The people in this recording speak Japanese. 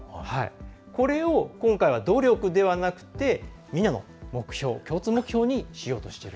これを今回は努力ではなくてみんなの共通目標にしようとしている。